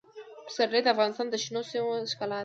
پسرلی د افغانستان د شنو سیمو ښکلا ده.